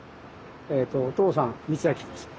お父さん光昭です。